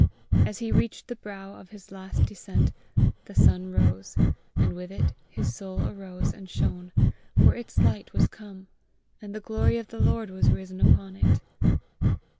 As he reached the brow of his last descent, the sun rose, and with it his soul arose and shone, for its light was come, and the glory of the Lord was risen upon it.